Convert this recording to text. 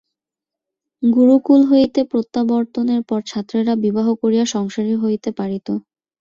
গুরুকুল হইতে প্রত্যাবর্তনের পর ছাত্রেরা বিবাহ করিয়া সংসারী হইতে পারিত।